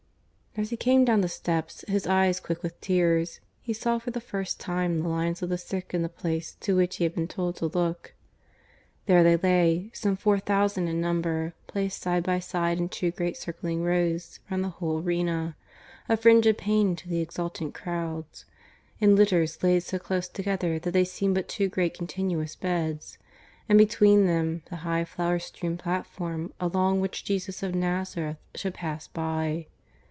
... As he came down the steps, his eyes quick with tears, he saw for the first time the lines of the sick in the place to which he had been told to look. There they lay, some four thousand in number, placed side by side in two great circling rows round the whole arena, a fringe of pain to the exultant crowds, in litters laid so close together that they seemed but two great continuous beds, and between them the high flower strewn platform along which Jesus of Nazareth should pass by.